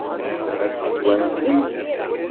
Ad t-twansemt?